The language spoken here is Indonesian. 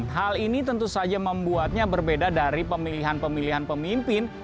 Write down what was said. hal ini tentu saja membuatnya berbeda dari pemilihan pemilihan pemimpin